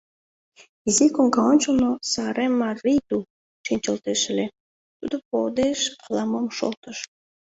Изи коҥга ончылно Сааремаа Рийду шинчылтеш ыле, тудо подеш ала-мом шолтыш.